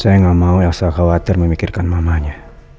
saya gak mau elsa khawatir memikirkan mamanya